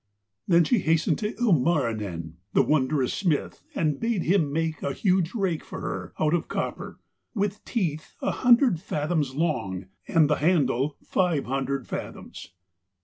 Then she hastened to Ilmarinen, the wondrous smith, and bade him make a huge rake for her out of copper, with teeth a hundred fathoms long and the handle five hundred fathoms.